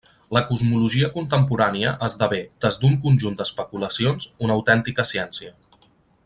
La cosmologia contemporània esdevé, des d'un conjunt d'especulacions, una autèntica ciència.